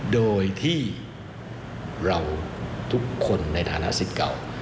โดยที่เราทุกคนในฐานะสิทธิ์เก่า